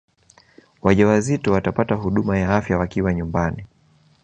wajawazito watapata huduma ya afya wakiwa nyumbani